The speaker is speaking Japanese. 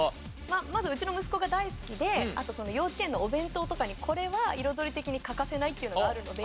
まずうちの息子が大好きであと幼稚園のお弁当とかにこれは彩り的に欠かせないというのがあるので。